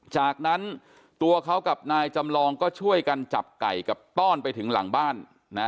จากนั้นตัวเขากับนายจำลองก็ช่วยกันจับไก่กับต้อนไปถึงหลังบ้านนะ